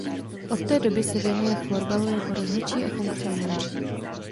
Od té doby se věnuje florbalu jako rozhodčí a funkcionář.